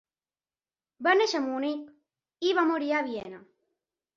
Va néixer a Munic i va morir a Viena.